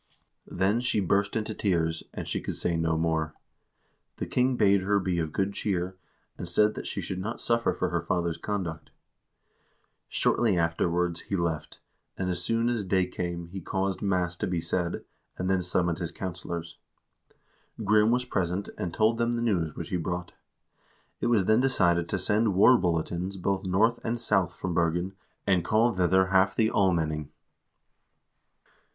Then she burst into tears, and she could say no more. The king bade her be of good cheer, and said that she should not suffer for her father's conduct. Shortly afterwards he left ; and as soon as day came, he caused mass to be said, and then summoned his counselors. Grim was present, and told them the news which he brought. It was then decided to send war bulletins both north and south from Bergen, and call thither half the almenning."